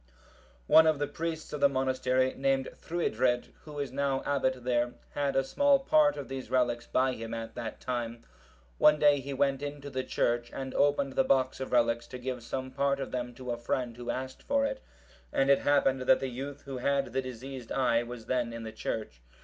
One of the priests of the monastery, named Thruidred, who is now abbot there, had a small part of these relics by him at that time. One day he went into the church and opened the box of relics, to give some part of them to a friend who asked for it, and it happened that the youth who had the diseased eye was then in the church.